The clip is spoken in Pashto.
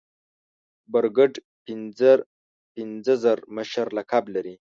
برګډ پنځر پنځه زر مشر لقب لري.